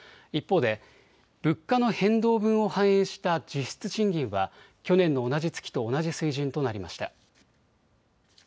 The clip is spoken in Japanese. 一方で物価の変動分を反映した実質賃金は去年の同じ月と同じ水準となりました。